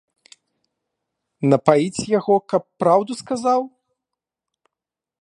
Напаіць яго, каб праўду сказаў?